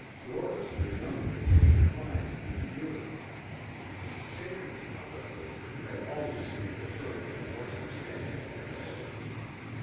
Doris the younger was inclined to be beautiful. Fanny, however, had always seemed to her a more substantial person.